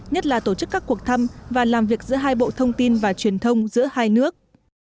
nhất là tổ chức các cuộc thăm và làm việc giữa hai bộ thông tin và truyền thông giữa hai nước